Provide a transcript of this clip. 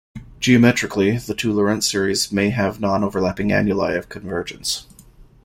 Geometrically, the two Laurent series may have non-overlapping annuli of convergence.